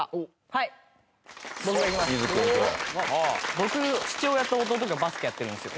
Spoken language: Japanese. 僕父親と弟がバスケやってるんですよ。